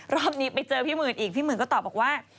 รอบนี้ไปเจอพี่หมื่นอีกพี่หมื่นก็ตอบบอกว่า